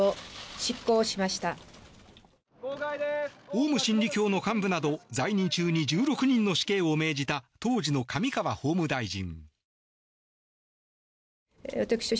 オウム真理教の幹部など在任中に１６人の死刑を命じた当時の上川法務大臣。